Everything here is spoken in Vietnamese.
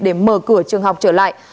để mở cửa trường học trở lại